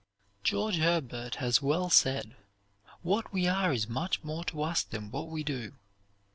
George Herbert has well said: "What we are is much more to us than what we do."